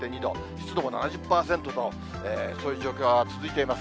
湿度も７０％と、そういう状況が続いています。